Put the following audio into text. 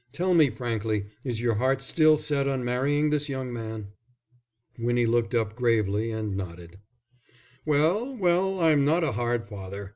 Tell me frankly, is your heart still set on marrying this young man?" Winnie looked up gravely and nodded. "Well, well, I'm not a hard father."